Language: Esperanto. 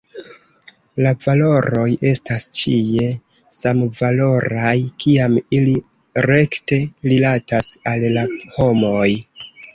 La valoroj estas ĉie samvaloraj kiam ili rekte rilatas al la homoj.